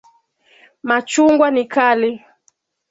Machungwa ni kali.